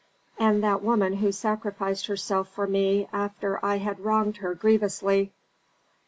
And that woman who sacrificed herself for me after I had wronged her grievously.